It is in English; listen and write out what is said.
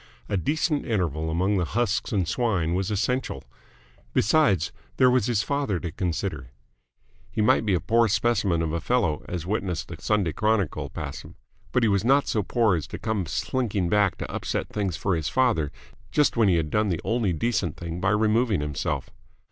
A decent interval among the husks and swine was essential. Besides, there was his father to consider. He might be a poor specimen of a fellow, as witness the Sunday Chronicle passim, but he was not so poor as to come slinking back to upset things for his father just when he had done the only decent thing by removing himself.